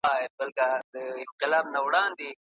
که څوک درته ښه خط ولیکي نو ته هم باید ښه ځواب ورکړې.